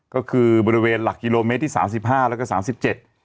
ก็คือบริเวณหลักกิโลเมตรที่สามสิบห้าแล้วก็สามสิบเจ็ด